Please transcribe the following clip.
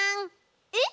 えっ！？